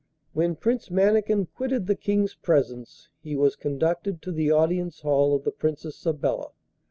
When Prince Mannikin quitted the King's presence he was conducted to the audience hall of the Princess Sabella.